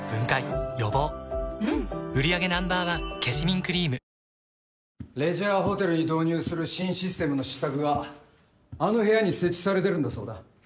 サントリー「ＴＨＥＳＴＲＯＮＧ」激泡レジャーホテルに導入する新システムの試作があの部屋に設置されてるんだそうだ。